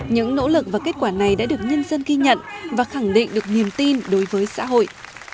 những nỗ lực và kết quả này đã được nhân dân ghi nhận và khẳng định được niềm tin đối với xã hội